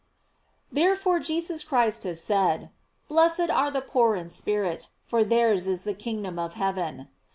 Therefore Jesus Christ has said: "Blessed are the poor in spirit, for theirs is the kingdom of heaven.